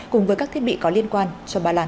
cùng với các thiết bị có liên quan cho ba lan